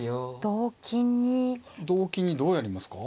同金にどうやりますか。